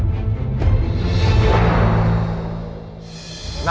jangan kamu sentuh dia